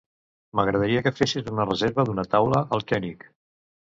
M'agradaria que fessis una reserva d'una taula al König.